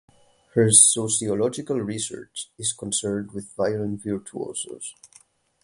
Her sociological research is concerned with violin virtuosos.